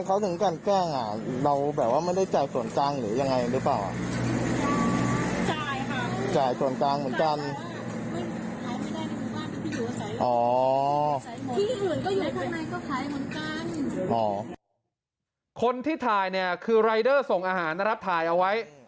คนที่ถ่ายเนี่ยคือรายเดอร์ส่งอาหารนะครับถ่ายเอาไว้